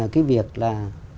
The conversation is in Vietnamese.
cái việc là